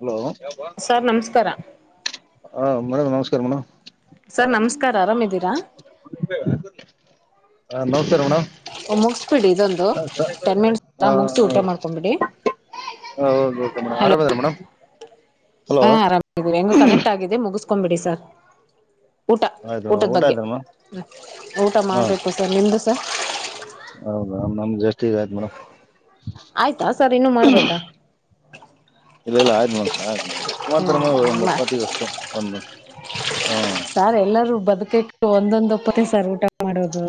Hello sir ನಮಸ್ಕಾರಕಾರ ಹಾ ಮಣ ನಮಸ್ಕಾರ ಮಣೋ ಸರ್ ನಮಸ್ಕಾರ ಆರಾಮ್ದೀರಾ ಹ ನ ಒಮ್ಮ ಮುಗಿಸಿ ಊಟ ಮಾಡ್ಕೊಂಡ್ಬಿಡಿ ಮೇಡ್ ಹಲೋ ಆರಾಮ ಅದ್ರ ಮೇಡಮ್ ಹಲೋ ಹಾ ಆರಾಮ ಹೆಂಗ ಕನೆಕ್ಟ್ ಆಗ ಮುಗಿಸ ಕೊಂಬಿಡಿ ಸರ್ ಊಟ ಆಯ್ತು ಮೇಡಮ್ ಊಟದ ಊಟ ಬಗ್ಗೆ ಆಯ್ತ ಮೇಡಮ್ ಊಟ ಹಾ ಮಾಡ್ಬೇಕು ಸರ್ ನಿಮ್ದು ಸರ್ ಹೌದಾ ನಮ್ದ ಜಾಸ್ತಿ ಆಯ್ತ್ ಮೇಡಮ್ ಆಯ್ತಾ ಸರ್ ಇನ್ನುೂ ಮಾಡ್ಬೇಕಾ ಇಲ್ಲ ಇಲ್ಲ ಆದ್ ಮನ್ಸ ಆ್ ಎಷ್ಟು ಮಾಡ್ತಾರ ಮ ಒಂದ್ ಹ್ಮ್ ಅಪ್ಪತ್ತ ಅಷ್ಟು ಒಂದ ಸಾರ್ ಎಲ್ಲರೂ ಬದುಕಕ್ಕೆ ಒಂದೊಂದ್ ಒಪ್ಪತ್ತ ಸಾರ್ ಊಟ ಮಾಡೋದು್ಮ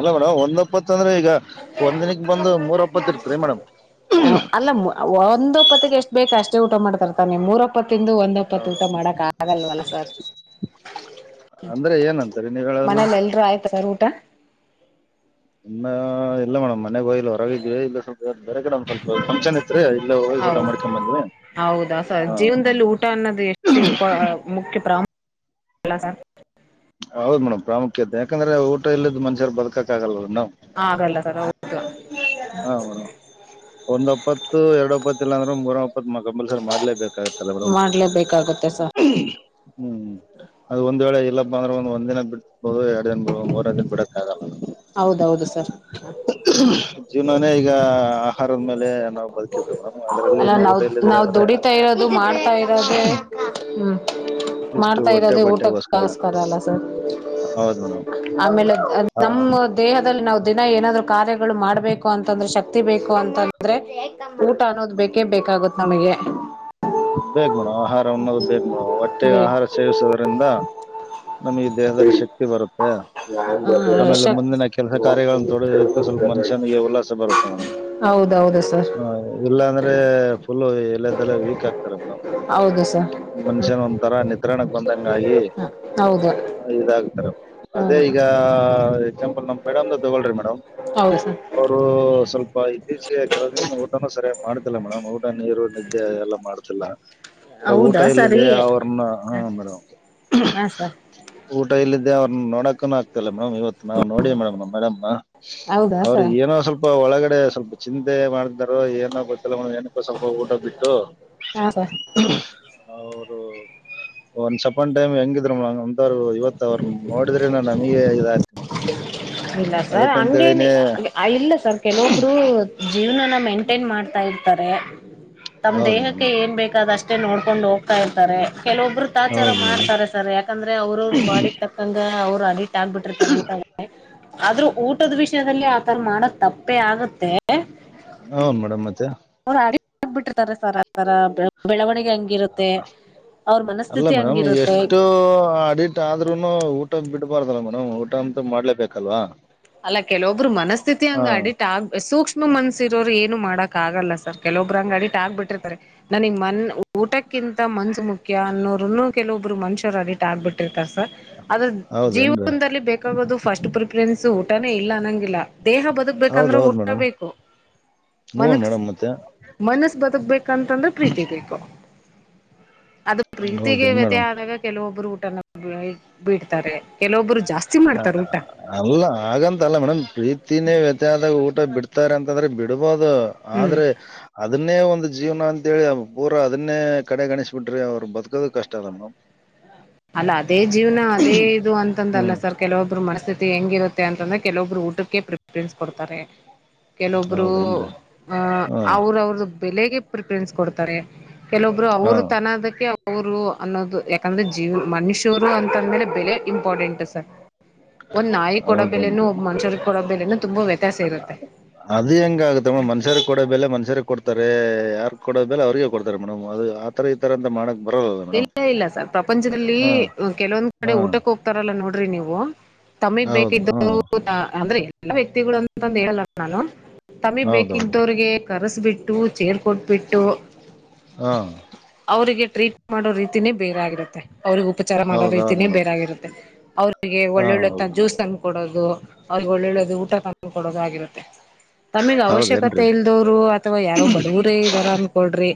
ಅಲ್ಲ ಮೇಡಮ್ [inaudible] ಈಗ ಒಂದ್ನಕ್ಕೆ ಬಂದು ಮೂರ ಒಪ್ಪತ್ತ ಇರ್ತ್ರಿ ಮೇಡಮ್ ಇಪ್ಪತ್ತಿಗೆ ಎಷ್ಟು ಬೇಕ ಅಷ್ಟೇ ಊಟ ಮಾಡ್ತರ್ತಾನೆ ಮೂರಪ್ಪತ್ತು ತಿಂದು ಒಂದ್ಪ್ಪತ್ತು ಊಟ ಮಾಡಕ್ ಆಗಲ್ವಲ್ಲ ಸರ್ ಅಂದ್ರೆ ಏನಂತರಿ ನೀವ್ ಹೇಳದ ಮೇಡಮ್ ಮನೇಲಿ ಎಲ್ರೂ ಆಯ್ತ ಸರ್ ಊಟ ಟ ಇಮ್ಮ ಇಲ್ಲ ಮೇಡಮ್ ಮನೆಗೆ ಹೋೋಗಲ್ಲಿ ಹೊರಗಿದ್ವಿ ಇಲ್ಲಿ ಸ್ವಲ್ ಬೇರೆ ಕಡೆ ಒಂದ್ ಸ್ವಲ್ಪ ಫಕ್ಷನ್ ಇ ಹೌ ಹೌದ ಸ ಹ ಜೀವನದಲ್ಲಿ ಊಟ ಅನ್ನೋದು ಎಷ್ಟು ಇಂಪ ಮುಖ್ಯ ಪ್ರಾಮುಖ ಎಲ ಸ ಹೌದ ಮೇಡಮ್ ಪ್ರಾಮುಖ್ಯತೆ ಯಾಕಂದ್ರೆ ಊಟ ಇಲ್ಲದು ಮನುಷ್ಯ ಬದುಕಕ್ಗಲ್ವ ಹಗಲ್ಲ ಸರ ಹ ಒಂದೊಪ್ಪತ್ತು ಎರಡು ಒಪ್ಪತ್ತು ಇಲ್ಲ ಅಂದ್ರೆ ಮೂರಪ್ಪತ್ ಕಂಪಲ್ಸರಿ ಮಾಡ್ಲೇಬೇಕು ಲ್ಲ ಮೇಡ ಮಾಡ್ಲೇಬೇಕಾಗುತ್ತೆ ಸರ್ ಹ್ಮ್ ಅದು ಒಂದು ವೇಳೆ ಇಲ್ಲಪ್ಪ ಅಂದ್ರೆ ಒಂದ ದಿನ ಬಿಡ್ಬಹದು ಎರಡ್ ದನ್ ಬಿಬದು ಮೂರರ್ ದಿನ ಬಿಡ ಆಗ ಹೌದೌದು ಸರ್ ಹ ಜೀವನನೇ ಈಗ ಆಹಾರದ ಮೇಲೆ ನಾವು ಬದುಕಿರ್ತವಿ ಅಲ್ಲ ನಾವ್ ನಾವ್ ದುಡಿತಾ ಇರೋದು ಮಾಡ್ತಾ ಇರೋದೆೇ ಹ್ಮ್ ಇಷ್ಟು ಮಾಡ್ತಾ ಹೊಟ್ಟೆ ಇರೋದೆೇ ಬಟ್ಟೆಗೋಸ್ಕರ ಊಟಸ್ಕರ ಅಲ್ಲ ಸರ್ ಹೌದ್ ಮೇಡಮ್ ಆಮೇಲೆ ಹ ನಮ್ಮ ದೇಹದಲ್ಲಿ ನಾವು ದಿನ ಏನಾದ ಕಾರ್ಯಗಳು ಮಾಡ್ಬೇಕು ಅಂತಂದ್ರೆ ಶಕ್ತಿ ಬೇಕು ಅಂತಂದ್ರೆ ಊಟ ಅನ್ನೋದು ಬೇಕು [inaudible] ನಮಗೆ ಬೇಕ್ ಮೇಡಮ್ ಆಹಾರ ಅನ್ನೋದು ಬೇಕ್ ಮೇಡಮ್ ಹೊಟ್ಟೆಗೆ ಬೇ ಆಹಾರ ಸೇವಿಸುದ್ರಿಂದ ನಮ್ಗೆ ದೇಹದಲ್ಲಿ ಶಕ್ತಿ ಬರುತ್ತೆ ಹ್ಮ ಆಮೇಲೆ ಶಕ್ ಮುಂದಿನ ಕೆಲಸ ಕಾರ್ಯಗಳನ್ನ ತೊಡೋದಕ್ಕೆ ಸ್ವಲ್ಪ ಮನುಷ್ಯನಿಗೆ ಉಲ್ಲಾಸ ಬರುತ್ತೆ ಮೇಡಮ್ ಹೌದೌದು ಸರ್ ಆ ಇಲ್ಲಾಂದ್ರೆ ಫುಲ್ ಇಲ್ಲದೆಲ್ಲ ವೀಕ್ ಆಗ್ತದೆ ಮೇಡ್ ಹೌದು ಸರ್ ಮನುಷ್ಯನ್ ಒಂಥರ ನಿತ್ರ್ರಾಣಕ್ ಬಂದಂಗಗ ಹ ಹೌದು ಇದಾಗತಾರೆ ಅದೇ ಹ್ಮ್ ಈಗ ಎಕ್ಸಾಂಪಲ್ ನಮ ಬೇಡಮ ತಗೋಳ್ರಿ ಮೇಡಮ್ ಹೌದು ಸರ್ ಅವರು ಸ್ವಲ್ಪ ಇ [unintelligible] ಊಟ ಸರಿ ಮಾಡುದಿಲ್ಲ ಮೇಡ್ ನೀರು ನಿದ್ದೆ ಎಲ್ಲ ಮಾಡ್ ಊಟ ಹೌದಾ ಸರಿ ಇಲ್ಲಿದೆ ಅವ್ರನ್ನ ಹ ಮೇಡ್ ಹಾ ಸರ್ ಊಟ ಇ ಇಲ್ಲ ಅವ್ರನ್ನ ನೋಡಕೂ ಆಗ್ತಾಲ್ಲ ಮೇಡಮ್ ಇವತ್ತು ನಾ ನೋಡಿ ಮೇಡಮ್ ನ ಮೇಡಮ ಹೌದಾ ಅವ್ರ ಸರ್ ಏನೋ ಸ್ವಲ್ಪ ಒಳಗಡೆ ಸ್ವಲ್ಪ ಚಿಂತೆ ಮಾಡ್ತಾರ ಏನೋ ಗೊತ್ತ ಕೆಲವ ನನಕ ಸ್ವಲ್ಪ ಊಟ ಬಿಟ್ಟು ಹಾ ಸ [inaudible] ರು ಒಂದ ಸಪನ್ ಟೈಮ್ ಹೆಂಗ [unintelligible] ಗ ಒಂದವ್ರು ಇವತ್ ಅವರು ನೋಡಿದ್ರೆ ನ ನಮಗೆ ಇದಯ್ತ ನ ಇಲ್ಲ ಸರ್ ಹಂಗೇನ್ ಅದಕ್ಕಂತೇಳಿನೇ ಜೀವನ ಮೈಂಟೈನ್ ಮಾಡ್ತಾಿ ತ್ತರ ತಮ್ಮ ಹೌದು ದೇಹಕ್ಕೆ ಮೇಡಂ ಏನ್ ಬೇಕಾದಷ್ಟೆ ಮತ್ತೆ ನೋಡ್ಕೊಂಡು ಹೋಗ್ತಾ ಇರ್ತಾರೆ ಕೆಲವೊಬ್ಬರು ತ ಆಚಾರ ಹೌದು ಮೇಡಂ ಮಾಡ್ತಾರೆ ಸರ್ ಯಾಕೆ ಅಂದ್ರ ಅವ್ರ ಅವರು ಬಾಡಿಗೆ ತಕ್ಕಂದ ಹ ಅವರು ಅ ಆಗಗ್ಬಿಟ್ಟಿರ್ತಾರೆ ಊಟ ಆದ್ರೂ ಊಟದ ವಿಷಯದಲ್ಲಿ ಆತರ ಮಾಡದ ತಪ್ಪೇ ಆಗತ್ತೆ ಹ ಮೇಡಮ್ ಮತ್ತೆ ಹ ಬಿಿಟ್ಟಿತಾರ ಸರ್ ಆರ ಬೆಳವಣಿಗೆ ಹಂಗಿರುತ್ತೆ ಅವ್ರ ಅಲ್ಲ ಮನಸ್ಥಿತಿ ಮೇಡಂ ಹಂಗಿರುತ್ತೆ ಎಷ್ಟು ಅಡಿಟ್ ಆದ್ರೂನು ಊಟ ಬಿಡ್ಬಾರ್ದಲ್ಲ ಮನ ಊಟ ಅಂತ ಮಾಡ್ಲೇಬೇಕಲ್ವಾ ಅಲ್ಲ ಕೆಲವೊಬ್ರು ಹಾ ಮನಸ್ಥಿತಿಅಡಿಟ್ ಆಗ್ ಸೂಕ್ಷ್ಮ ಮನ್ಸ್ಸಿರೋರು ಏನು ಮಾಡಕ್ ಆಗಲ್ಲ ಸರ್ ಕೆಲವೊಬ್ರಂಗ ಅಡಿಟ್ ಆಗ್ಬಿಟ್ಟಿರ್ತಾರೆ ನನಗ್ ಮನ್ ಊಟಕ್ಕಿಂತ ಮನ್ ಮುಖ್ಯ ಅನ್ನೂರುನ್ನು ಕೆಲವೊಬ್ಬ ಮನ್ಸರು ಅಡಿಟ್ ಆಗ್ಬಿಟ್ಟಿರ್ತಾರೇ ಸ ಆದದ್ರ ಹೌದೇನ್ರಿ ಜೀವನದಲ್ಲಿ ಬೇಕಾಗೋದು ಫಸ್ಟ್ ಪ್ರಿಫರೆನ್ಸ್ ಸೊ ಊಟನೇ ಇಲ್ಲ ಅನ್ನಂಗಿಲ್ಲ ದೇಹ ಹೌದ್ ಬದುಕ್ಬೇಕಂದ್ರೆ ಹೌದ್ ಊಟ ಮೇಡಂ ಬೇಕು ಹ್ಞೂ ಮೇಡಂ ಮತ್ತೆ ಮನಸ್ಸು ಬದುಕ್ಬೇಕಂತಂದ್ರೆ ಪ್ರೀತಿ ಬೇಕು ಅದು ಪ್ರೀತಿಗೆ ಹೌದೇನ್ ವ್ಯತಿ ಮೇಡಂ ಆದಾಗ ಕೆಲವೊಬ್ರು ಸಾರ್ ಬಿಡ್ತಾರಾ ಕೆಲವೊಬ್ಬರು ಜಾಸ್ತಿ ಹ ಮಾಡ್ತಾರ ಊಟ ಅಲ್ಲ ಆಗಂತ ಅಲ್ಲ ಮೇಡಮ್ ಪ್ರೀತಿನೇ ವ್ಯತಾದ ಊಟ ಬಿಡ್ತ ಅಂತಂದ್ರೆ ಬಿಡು ಬಹದು ಹ್ಮ್ ಆದ್ರೆ ಅದನ್ನೇ ಒಂದು ಜೀವನ ಅಂತೇಳಿ ಪೂರ ಅದನ್ನೇ ಕಡೆಗಣಿಸ್ಬ ಬಿಟ್ರಿ ಅವ್ರು ಬದುಕೋದ ಕಷ್ಟ ಅಲ್ಲ ಮೇಡಮ್ ಅಲ್ಲ ಅದೇ ಜೀವ್ನ ಅದೇ ಇದು ಅಂತ ಲ್ಲ ಹ್ಮ್ ಸರ್ ಕೆಲಬ್ [unintelligible] ಮನಸ್ಥಿತಿ ಹೆಂಗಿರುತ್ತೆ ಅಂತಂದ್ರೆ ಕೆಲವೊಬ್ರು ಊಟಕ್ಕೆ ಪ್ರಿಪರೆನ್ಸ್ ಕೊಡ್ತಾರೆ ಕೆಲವೊಬ್ರು ಹೌದೇನ್ರಿ ಅ ಹ್ಮ್ ಅವ್ರ ಅವ್ರ್ದ ಬೆಳಿಗ್ಗೆ ಪ್ರಿಫರೆನ್ಸ್ ಕೊಡ್ತಾರೆ ಕೆಲವೊಬ್ರು ಹಾ ಅವರು ತನದಕ್ಕೆ ಅವರು ಅನ್ನೋದು ಯಾಕಂದ್ರೆ ಜೀವನ ಮನುಷ್ಯರು ಅಂತಂದ್ಮೇಲೆ ಬೆಲೆ ಇಂಪಾರ್ಟೆಂಟ್ ಸರ್ ಒಂದ್ ನಾಯಿ ಕೊಡಬೇಲೆನು ಹೌದೇನ್ರಿ ಒಬ್ಬ ಮನುಷ್ಯರಿಗೆ ಕೊಡ ಬೆಲೆ ಅದು ಹೆಂಗ ಆಗತ್ತ ಮನುಷ್ಯರು ಕೊಡ ಬೆಲೆ ಮನುಷ್ಯರು ಕೊಡ್ತಾರೆ ಯಾರಾ ಕೊಡೋ ಮೇಲೆ ಅವ್ರರಿಗೆ ಕೊಡ್ತಾರೆ ಮೇಡ್ದು ಆ ತರ ಈ ತರಂತ ಮಾಡ ಇಲ್ಲ ಇಲ್ಲ ಸರ್ ಪ್ರಪಂಚದಲ್ಲಿ ಹಾ ಕೆಲವೊಂದ್ ಹಾ ಕಡೆ ಊಟಕ್ಕೆ ಹೋಗ್ತಾರಲ್ಲ ನೋಡಿ [unintelligible] ನೀವು ತಮಿಗೆ ಹೌದು ಬೇಕಿದ್ದು ಹಾ ಅಂದ್ರೆ ಎಲ್ಲ ವ್ಯಕ್ತಿಗಳು ಅಂತಂದು ಹೇಳಲ್ಲ ನಾನು ತಮಿ ಹೌದೌದು ಬೇಕಗ್ದವ್ರಿಗೆ ಕರೆಸ ಬಿಿಟ್ಟ ಬಿಟ್ಟು ಚೇರು ಕೊಟ್ಬಿಟ್ಟು ಹಾ ಅವರಿಗೆ ಟ್ರೀಟ್ ಮಾಡೋ ರೀತಿನ ಬೇರಾಗಿರುತ್ತೆ ಅವ್ರಿಗೆ ಉಪಚಾರ ಮಾಡೋ ಹೌದೌದು ರೀತಿನೇ ಮೇಡಮ್ ಬೇರಾಗಿರುತ್ತೆ ಅವ್ರರಿಗೆ ಹಾ ಒಳ್ಳೊಳ್ಳೆ ಹೌದು ಜ್ಯೂಸ್ ತಂದ ಕೊಡೋದು ಅವ್ರಿಗೆ ಒಳ್ಳೊಳ್ಳದು ಊಟ ತ ಕೊಡೋದಾಗಿರುತ್ತೆ ತಮಗ್ ಅವಶ್ಯಕತೆ ಹೌದೇನ್ರಿ ಇಲ್ದವ್ರು ಅಥವಾ ಯಾರೋ ಬಡವರೇ ಇದ್ದಾರ ಅನ್ಕೊಳ್ರಿ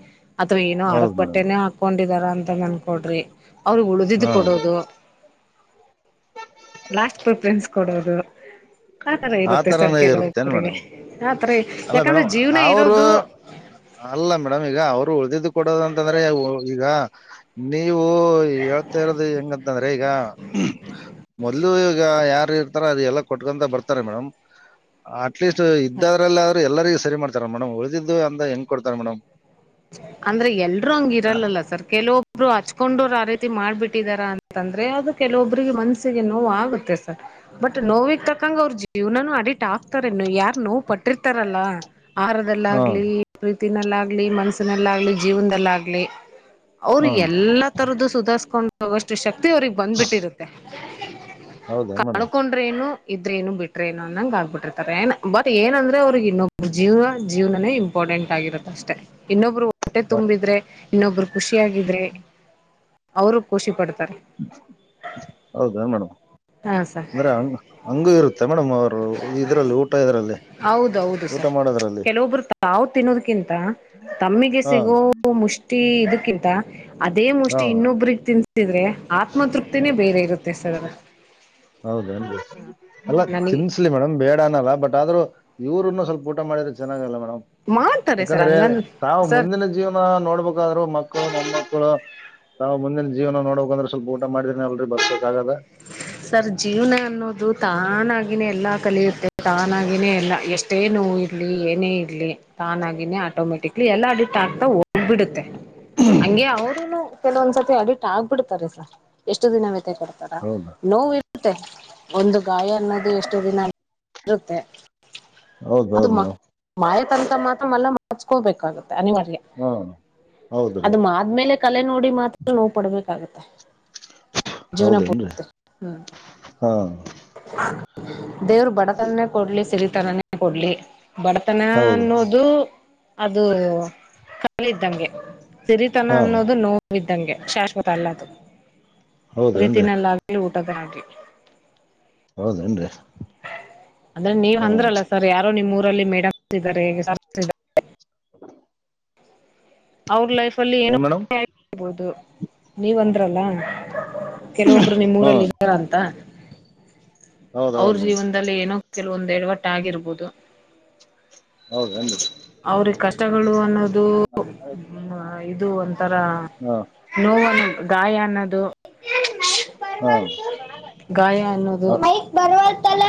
ಅಥವಾ ಏನೋ ಅರೋಗ ಹೌದು ಮೇಡಮ್ ಬಟ್ಟೆನೇ ಹಾಕ ಕೊಂಡಿದಾರ ಅಂತ ನನ್ಕೊಡ್ರಿ ಅವ್ರಿಗೆ ಉಳಿದಿದ್ದು ಹಾ ಕೊಡೋದು ಲಾಸ್ಟ್ ಪ್ರಫೆನ್ಸ್ ಕೊಡೋದು ಆತರ ಆ ಇರುತ್ತೆ ಸರ್ ತರಾನೇ ಇರುತ್ತೇನ್ ಕೆಲವೊಬರಿಗೆ ಮೇಡಮ್ ಆತರ ಅಲ್ಲ ಯಾಕಂದ್ರೆ ಮೇಡಮ್ ಜೀವನ ಅವ್ರು ಇರೋದು ಅಲ್ಲ ಮೇಡಮ್ ಈಗ ಅವ್ರು ಉಳ್ದಿದ್ದು ಕೊಡೋದಂತಂದ್ರೆ ಈಗ ನೀ ನೀವು ಹೇಳ್ತಾ ಇರೋದು ಹೆಂಗಂತಂದ್ರೆ ಈಗ ಮೊದ್ಲು ಈಗ ಯಾರ ಅದು ಎಲ್ಲ ಕೊಟ್ಕೊಂತ ಬರ್ತಾರೆ ಮೇಡಮ್ ಆ ಅಟ್ ಲೀಸ್ಟ್ ಇದ್ದಾದ್ರಲ್ಲ ಅವ್ರು ಎಲ್ಲರಿ ಸರಿ ಮಾಡ್ತಾರೆ ಮೇಡ್ ಉಳಿದಿದ್ದು ಅಂದ ಹೆಂಗ ಕೊಡ್ತಾರೆ ಮೇಡಮ್ ಅಂದ್ರೆ ಎಲ್ರುೂ ಹಂಗ ಇರಲ್ಲಲ್ಲ ಸರ್ ಕೆಲವೊಬ್ರು ಹಚ್ಕೊಂಡೋರು ಆ ರೀತಿ ಮಾಡ್ಬಿಟ್ಟಿದಾರಾ ಅಂತಂದ್ರೆ ಅದು ಕೆಲವೊಬ್ರಿಗೆ ಮನಸ್ಸಿಗೆ ನೋವು ಆಗುತ್ತೆ ಸರ್ ಬಟ್ ನೋವಿಕ್ ತಕಂಗ ಅವ್ರರು ಜೀವನನುೂ ಅಡಿಕ್ಟ್ ಆಗ್ತಾರೋ ಯಾರ್ು ನೋವು ಪಟ್ಟಿರ್ತಾರಲ್ಲ ಆಹಾರದಲ್ಲ ಹ್ಮ್ ಆಾಗಲಿ ಿನಲ್ಲ ಆಗ್ಲಿ ಮನ್ಸ ಲ್ಲ ಆ್ಲಿ ಜೀವನದಲ್ಲಾಗಲಿ ಅವ್ರು ಹ್ಮ್ ಎಲ್ಲಾ ತರದ್ದು ಸುಧಾರ್ಸ್ಕೊಂಡ್ ಹಗಷ್ಟು ಶಕ್ತ ಮತ್ತವ್ರಿಗೆ ಬಂದ್ಬಿಟ್ಟಿರುತ್ತೆ ಹ ಹೌದೇನ್ ಮೇಡಮ್ ಕಳ್ಕೊಂಡ್ರೇನು ಇದ್ರೆೇನು ಬಿಟ್ರೇಏನು ಅಂದಂಗಗೆ ಆ್ಬಿಟ್ಟಿರ್ತಾರೆ ಏ ಬಟ್ ಏನಂದ್ರೆ ಅವ್ರಿಗೆ ಇನ್ನೊಬ್್ರ ಜೀವನ ಜೀವನೇ ಇಂಪಾರ್ಟೆಂಟ್ ಆಗಿರುತ್ತ ಅಷ್ಟೆ ಇನ್ನೊಬ್ರು ಬಟ್ಟೆ ತುಂಬಿದ್ರೆ ಇನ್ನೊಬ್ಬರು ಖುಷಿಿಯಾಗಿದ್ರೆ ಅವರು ಖುಷಿ ಪಡ್ತಾರೆ ಹೌದಾ ಮೇಡಮ್ ಹಾ ಸರ್ ಅಂದ್ರೆ ಹಂಗ್ ಹಂಗು ಇರುತ್ತೆ ಮೇಡಮ್ ಅವರು ಇದ್ರಲ್ಲಿ ಊಟ ಇದ್ರಲ್ಲಿ ಹೌದೌದು ಊಟ ಸರ್ ಮಾಡದ್ರಲ್ಲಿ ಕೆಲವೊಬ್ರು ತಾವು ತಿನ್ನೋದಕಿಂತ ತಮ್ಮಿಗೆ ಹಾ ಸಿಗೋ ಮುಷ್ಟಿ ಇದಕ್ಕಿ ಹ ಅದೇ ಹಾ ಮುಷ್ಟಿ ಇನ್ನೊಬ್ರಗ್ ತಿನ್ಸಿದ್ರೆ ಆತ್ಮತೃಪ್ತಿನೇ ಬೇರೆ ಇರುತ್ತೆ ಸರ್ ಹೌದನ್ರಿ ಅಲ್ಲ ನನಗೆ ತಿನ್ಸ್ಲಿ ಮೇಡಮ್ ಬೇಡನಲ್ಲ ಬಟ್ ಆದ್ರೂ ಇವ್ರರುನ್ನು ಸ್ವಲ್ಪ ಊಟ ಮಾಡಿದ್ರೆ ಚೆನ್ನಾಗಲ್ಲ ಮಾಡ್ತಾರೆ ಸರ್ ಯಾಕಂದ್ರೆ ಹಂಗನ್ ತಾವು ಸರ್ ಮುಂದಿನ ಜೀವನ ನೋಡ್ಬ ಹಬೇಕಾದ್ರರು ಮಕ್ಕಳು ಮಣ ಮಕ್ಳು ನಾವು ಮುಂದಿನ ಜೀವನ ನೋಡಬೇಕ ಅಂದ್ರೆ ಸ್ವಲ್ಪ ಊಟ ಮಾಡಿದೀನಿ ಅಲ್ರಿ ಬರ್ಬೇಕಾಗದ ಸರ್ ಜೀವನ ಅನ್ನೋದು ತಾನಾಗಿನೇ ಎಲ್ಲಾ ಕಲಿಯುತ್ತೆ ತಾನಾಗಿಿನೇ ಎಲ್ಲ ಎಷ್ಟೇ ನೋವು ಇರ್ಲಿ ಏನೇ ಇರ್ಲಿ ತಾನಾಗಿ ಇ ಆಟೋಮೆಟಿಕಲಿ ಎಲ್ಲ ಅಡಿ ಆಗ್ತಾ ಹೋಗ್ಬಿಡುತ್ತೆ ಹಂಗೆ ಅವರುನು ಕೆಲವೊಂದ್ ಸ್ವಲ್ಪ ಅಡಿಟ್ ಆಗ್ಬಿಡ್ತಾರೆ ಸರ್ ಎಷ್ಟು ದಿನವ ಕೊಡ್ತಾರಾ ಹೌದಾ ನೋ ಮತ್ತೆ ಒಂದು ಗಾಯ ಅನ್ನೋದು ಎಷ್ಟು ದಿನ ಇರುತ್ತೆ ಅದು ಹೌದೌದು ಮೇಡಮ್ ಮಾಯ ತ ಮಾತಲ್ಲ ಮಾರ್ಚ್ಕೋಬೇಕಾಗುತ್ತೆ ಅನಿವಾರ್ಯ ಹಾ ಹೌದ್ರಿ ಅದು ಆದ್ಮೇಲೆ ಕಲೆ ನೋಡಿ ಮಾತ್ರ ನೋವು ಪಡ್ಬೇಕಾಗತ್ತೆ ಜೂನಪು ಹೌದೇನ್ರಿ ಹ್ಮ ಹಾ ದೇವರು ಬಡತನೇ ಕೊಡ್ಲಿ ಸರಿತಾನನ ಕೊಳ್ಳಿ ಬಡತನ ಹೌದು ಅನ್ನೋದು ಅದು ಕಾಲಿದ್ದಂಗೆ ಸಿರಿತನ ಹಾ ಅನ್ನೋದು ನೋ ಿದ್ದಂಗೆ ಶಾಶ್ವತ ಅಲ್ಲದು ಹೌದ ಲ್ಲ ತಕ್ಕಣಟಿ ಹೌದೇನ್ರಿ ಅಂದ್ರೆ ನೀವ್ ಹ್ಮ್ ಅಂದ್ರಲ್ಲ ಸರ್ ಯಾರೋ ನಿಮ್ಮೂರು ಲ್ಲಿ ಮೇಡಮ್ಸ್ ಇದ್ದಾರೆ ಅವರ್ ಲೈಫ್ ಲ್ಲಿ ಏನ್ ಮೇಡಮ್ ಏನೋಬಹುದು ನೀವಂದ ಚಲಂಗ ಕೆಲವೊಬ್ರು ಹ್ಮ್ ನಿಮ್ಮ್ೂಊರಲ್ಲಿ ಇದ್ದಾರ ಅಂತ ಅವ್ರ ಹೌದೌದು ಮೇಡಮ್ ಜೀವನದಲ್ಲಿ ಏನೋ ಕೆಲ ಒಂದ ಎರಡು ವಟ್ಟ ಆಗಿರ್ಬಹುದು ಹೌದು ನದು ಅವ್ರಿಗೆ ಕಷ್ಟಗಳು ಅನ್ನೋದು ಇದು ಇದು ಒಂಥರ ಹಾ ನೋವನ್ನು ಗಾಯ ಅನ್ನೋದು ಹಾ ಗಾಯ ಅನ್ನೋದು ಬ ತಲ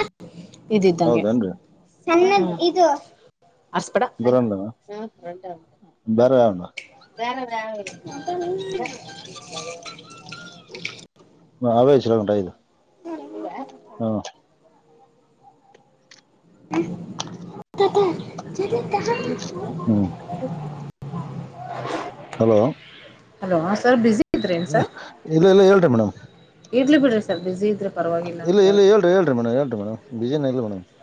ಇದ ಇದ್ದಂಗೆ ಹೌದೇನ್ರಿ ಇದು ಹಸ್ಪಡ ಗುರಂದ ಬೇರೆ ಯ ಬರೆ ಹ ಅವಟ ಇದು ಹ ಮಟ್ಟ ಹಾ ಹ್ಮ ಕ [inaudible] ಹ ಹಲೋ ಹಲೋ ಬ್ಯುಸಿ ಇದ್ರೇನ್ ಹ ಇಲ್ಲ ಇಲ್ಲ ಹೇಳೇ್ರಿ ಮೇಡಮ್ ಇಡ್ಲಿ ಬಿಡಿಿ ಸರ್ ಬಿಸಿ ಇಲ್ಲ ಇಲ್ಲ ಹೇಳರಿ ಹೇಳಿ ಮೇಡ್ ಹೇಳರಿ ಮೇಡಮ್ ಬಿಜಯಾನ ಇಲ್ಲ ಮೇಡಮ್ [inaudible]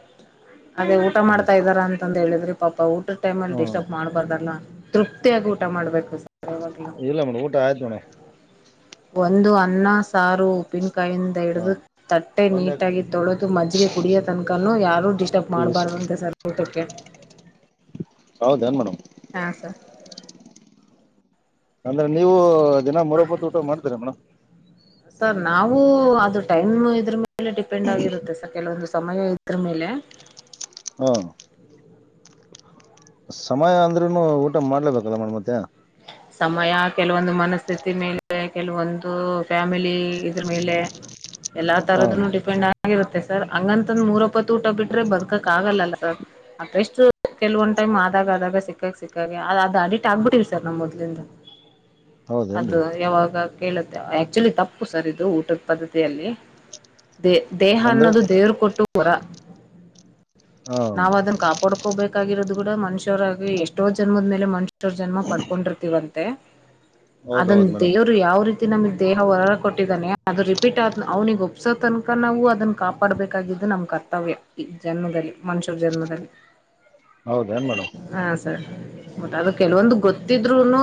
ಅದೇ ಊಟ ಹ್ಞೂ ಮಾಡ್ತಾ ಇದಾರ ಅಂತಂದ ಹೇಳಿದ್ರಿ ಪಾಪ ಊಟದ ಟೈಮ್ ಅಲ್ಲಿ ಹ್ಞೂ ಡಿಸ್ಟರ್ಬ್ ಮಾಡ್ಬಾರ್ದಲ್ಲ ತೃಪ್ತಿಯಾಗಿ ಊಟ ಮಾಡ್ಬೇಕು ಸರ್ ಯಾವಾಗ್ಲೂ ಇಲ್ಲ ಮೋಡ ಊಟ ಆಯ್ತ ಮೋಣ ಒಂದು ಅನ್ನ ಸಾರು ಪಿನ್ ಕೈಯಿಂದ ಹಿಡಿದು ಹಾಂ ತಟ್ಟೆ ಒಂದೇ ನೀಟಾಗಿ ತೊಳೆದು ಮಜ್ಜಿಗೆ ಕುಡಿಯ ತನಕನುೂ ಯಾರು ಡಿಸ್ಟರ್ಬ್ ಮಾಡಬಾರ್ದುಂತೆ ಸರ್ ಊಟಕ್ಕೆ ಹೌದನ್ ಮೇಡಮ್ ಹಾ ಸರ್ ಅಂದ್ರೆ ನೀವು ಿನ ಮರೊಬ್ಬತ್ ಊಟ ಮಾಡ್ತ್ರ ಮೇಡ್ ಸರ್ ನಾವು ಅದು ಟೈಮ್ ಇದ್ರ ಮ ಎಲ್ಲ ಡಿಪೆಂಡ್ ಆಗಿರುತ್ತೆ ಸ ಕೆಲವೊಂದು ಸಮಯ ಇದ್ರ ಮೇಲೆ ಹ್ಮ ಸಮಯ ಅಂದ್ರ್ೂ ಊಟ ಮಾಡ್ಲೇಬೇಕಲ್ಲ ಮೇಡ್ ಮತ್ತೆ ಸಮಯ ಕೆಲವೊಂದು ಮನಸ್ಥಿತಿ ಮೇಲೆ ಕೆಲವೊಂದು ಫ್ಯಾಮಿಲಿ ಇದ್ರ ಮೇಲೆ ಎಲ್ಲಾ ಹಾಂ ತರದನು ಡಿಪೆಂಡ್ ಆಗಿರುತ್ತೆ ಸರ್ ಹಂಗಂತಂದ ಮೂರಪ್ಪತ್ತು ಊಟ ಬಿಟ್ರೆ ಬದಕಕ್ ಆಗಲ್ಲ ಸರ್ ಅತ್ತಷ್ಟು ಕೆಲವಂದ್ ಟೈಮ್ ಆದಾಗ ಆದಾಗ ಸಿಕ್ಕಕ್ ಸಿಕ್ಕಾಗಿ ಅದು ಅದು ಅಡಿಟ್ ಆಗ್ಬಿಟ್ಟಿ ಚನ್ನ ಮೊದಲಿಂದ. ಹೌದೇನು ರೀ ಅದು ಯಾವಾಗ. ಕೇಳುತ್ತೆ ಆಕ್ಚುಲಿ ತಪ್ಪು ಸರ್ ಇದು ಊಟದ ಪದ್ಧತಿಯಲ್ಲಿ. ದೇ ದೇಹ ಅಂದ್ರೆ ಅನ್ನೋದು ದೇವ್ ಕೊಟ್ಟು. ರ. ಹಾಂ ನಾವ್ ಅದನ್ನ ಕಾಪಾಡ್ಕೋಬೇಕು. ಆಗಿರದುೂಡ ಮನುಷ. ಎಷ್ಟೋ ಜನ್ಮದ ಮೇಲೆ. ಜನ್ಮ ಪಡ್ಬೇಕ. ಕತಿವಂತೆ. ಹೌದು ಅದನ್ ಹೌದು ಮೇಡಮ್ ದೇವರು ಯಾವ ರೀತಿ. ನಮಗ್ ದೇಹ ಹೊರಡ ಕೊಟ್ಟಿದ್ದಾನೆ ಅದು ರಿಪೀಟ್ ಆದ ಅವ್ನಿಿಗೆ ಒಪ್ಸೋ ತನಕ ನಾವು ಅದನ್ನ ಕಾಪಾಡ್ಬೇಕಾಗಿದ್ದು ನಮ್ ಕರ್ತವ್ಯ ಈ ಜನ್ಮದಲ್ಲಿ. ಮನುಷ್ಯರ ಜನ್ಮದಲ್ಲಿ ಹೌದೇನು ಮೇಡಮ್ ಹ. ಮತ್ತೆ ಅದು ಕೆಲವೊಂದು ಗೊತ್ತು. ಹತ್ತಿದ್ರುನು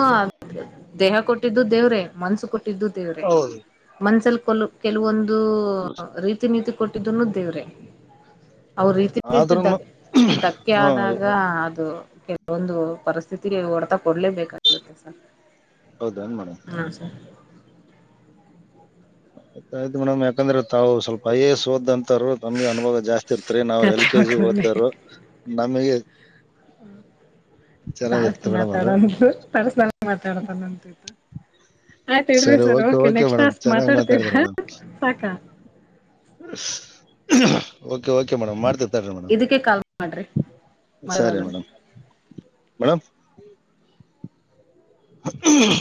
ದೇಹ ಕೊಟ್ಟಿದ್ದು ದೇವ್ರೆ ಮನ್ಸು ಕೊಟ್ಟ. [unintelligible] ದೇವ್ರೆ ಹೌದು ಮನ್ಸಲ್. ಕೆಲವೊಂದು. ಇದು ರೀತಿಿನತಿ. ಕೊಟ್ಟಿದ್ದನು ದೇವ್ರೆ. ಅವ್ರ ರೀತಿ ರೀತಿ ಆದ್ರೂ ಧ ಹಾಂ ಧಕ್ಕೆ ಆದಾಗ ಅದು. ಒಂದು ಪರಿಸ್ಥಿತಿ ಹೊಡ್ತ. ಕೊಡಲೇಬೇಕಾಗುತ್ತೆ ಸರ್ ಹೌದೇನು ಮೇಡಮ್ ಹಾಂ ಸರ್. ಆಯ್ತ ಆಯ್ತ ಮಡಮ್ ಯಾಕಂದ್ರ ತಾವು ಸ್ವಲ್ಪ ಐ ಎಸ್ಓದ ಅಂತ. ನಮ್ಗೆ ಅನುಭವ ಜಾಸ್ತಿ ಇರ್ತ್ರಿ ನಾವ್ ಕತೆ ಎಲ್ ಕೆ ಜಿ ಓದ್ದರು. ನಮಗೆ. ತಸ್ ಚೆನ್ನಾಗಿರುತ್ತೆ ಮೇಡಮ್ ಅದು ಮಾತಾಡೋ ತಸ ಮಾತಾಡತ ನ. ಅಪ್ಪ. ಆಯ್ತ ಇ್ರಿ ಸರಿ ಸರ್ ಓಕೆ ಮೇಡಮ್ ನೆಕ್ಸ್ಟ್ಾಸ್ಕ್ ಚೆನ್ನಾಗಿ ಮಾತಾಡಿದ್ರಿ ಮಾತಾಡ್ತರಾ ಮೇಡಮ್ ಸಾಕ. ಓಕೆ ಓಕೆ ಮೇಡಮ್ ಮಾಡ್ತ. ಮೇಡ್ ಇದಕ್ಕೆ ಕಾಲ್ ಮಾಡ್ರಿ ಸರಿ ಮಾಡೋದಾದ್ರೆ ಮೇಡಮ್ ಮೇಡ್. ಹ್ಮ್ಮ್.